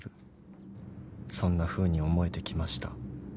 ［そんなふうに思えてきました］